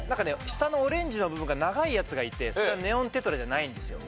下のオレンジの部分が長いやつがいてそれはネオンテトラじゃないんですよ。